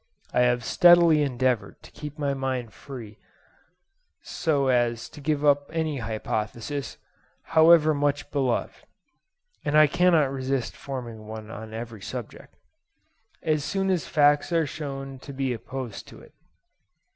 I have steadily endeavoured to keep my mind free so as to give up any hypothesis, however much beloved (and I cannot resist forming one on every subject), as soon as facts are shown to be opposed to it.